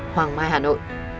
hoàng mai hà nội